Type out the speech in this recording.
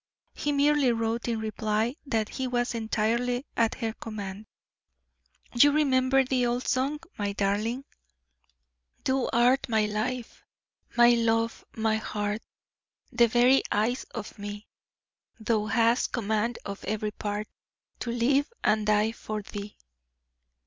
He merely wrote in reply that he was entirely at her command. "You remember the old song, my darling: "'Thou art my life, my love, my heart, The very eyes of me; Thou hast command of every part, To live and die for thee.'